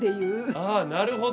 あぁなるほど。